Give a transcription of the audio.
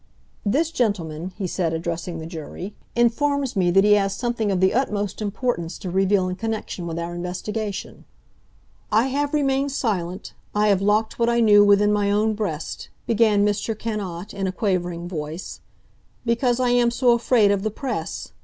This gentleman," he said, addressing the jury, "informs me that he has something of the utmost importance to reveal in connection with our investigation." "I have remained silent—I have locked what I knew within my own breast"—began Mr. Cannot in a quavering voice, "because I am so afraid of the Press!